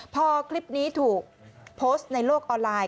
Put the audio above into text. พอคลิปนี้ถูกโพสต์ในโลกออนไลน์